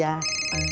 ah ya gua